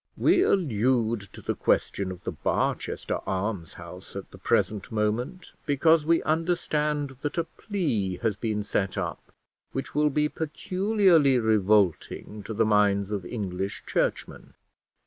We allude to the question of the Barchester almshouse at the present moment, because we understand that a plea has been set up which will be peculiarly revolting to the minds of English churchmen.